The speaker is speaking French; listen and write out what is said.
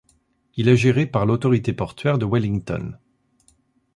Il est géré par l'autorité portuaire de Wellington.